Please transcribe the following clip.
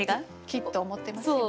きっと思ってますよ。